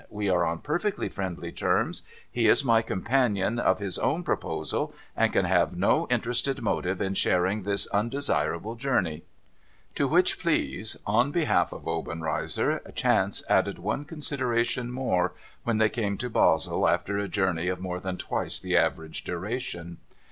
We are on perfectly friendly terms ; he is my companion of his own proposal, and can have no interested motive in sharing this undesirable journey.' To which pleas in behalf of Obenreizer, chance added one consideration more, when they came to Basle after a journey of more than twice the average duration.